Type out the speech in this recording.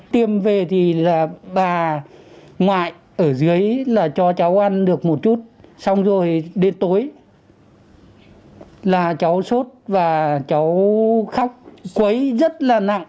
tiêm về thì là bà ngoại ở dưới là cho cháu ăn được một chút xong rồi đến tối là cháu sốt và cháu khóc quấy rất là nặng